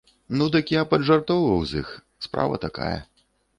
Ну дык і я паджартоўваў з іх, справа такая.